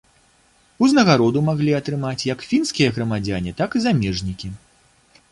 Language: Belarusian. Узнагароду маглі атрымаць як фінскія грамадзяне, так і замежнікі.